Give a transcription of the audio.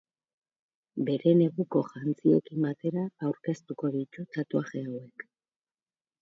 Bere neguko jantziekin batera aurkeztuko ditu tatuaje hauek.